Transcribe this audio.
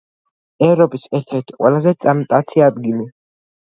ევროპის ერთ-ერთი ყველაზე წარმტაცი ადგილი.